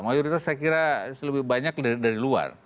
mayoritas saya kira lebih banyak dari luar